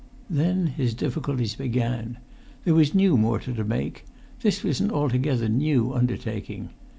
Then his difficulties began. There was new mortar to make; this was an altogether new undertaking.